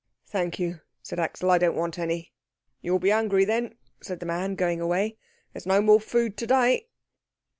"Thank you," said Axel, "I don't want any." "You'll be hungry then," said the man, going away. "There is no more food to day."